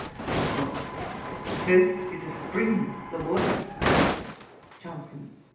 "' BOSWELL. 'Curst be the spring, the water.' JOHNSON.